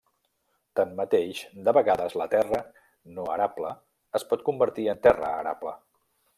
Tanmateix, de vegades la terra no arable es pot convertir en terra arable.